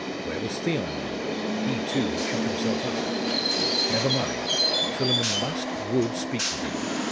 Where was Theon, then? He, too, had shut himself up. Never mind. Philammon must, would speak with him.